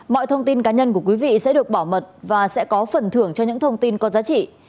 mọi thông tin cá nhân của quý vị sẽ được bảo mật và sẽ có phần thưởng cho những thông tin có giá trị